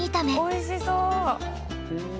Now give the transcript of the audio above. おいしそう！